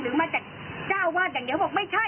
มาจากเจ้าวาดอย่างเดียวบอกไม่ใช่